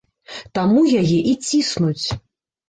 Таму яе і ціснуць.